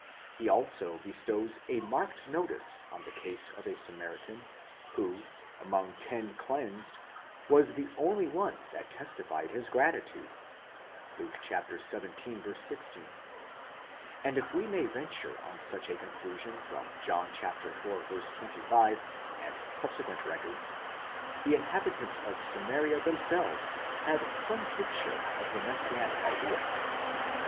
he also bestows a marked notice on the case of a Samaritan, who, among ten cleansed, was the only one that testified his gratitude (Luke Xvil. 16); and, if we may venture on such a conclusion from John iv. 25, and subsequent records,2 the inhabitants of Samaria themselves had some tincture of the messianic idea.